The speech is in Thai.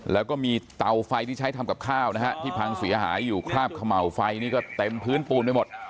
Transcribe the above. แล้วก็มีเตาไฟที่ใช้ทำกับข้าวนะฮะที่พังเสียหายอยู่คราบเขม่าวไฟนี่ก็เต็มพื้นปูนไปหมด